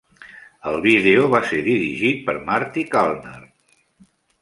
El vídeo va ser dirigit per Marty Callner.